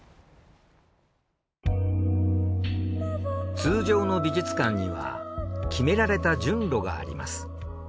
通常の美術館には決められた順路があります。